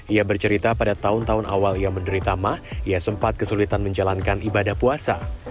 ia bercerita pada tahun tahun awal ia menderita mah ia sempat kesulitan menjalankan ibadah puasa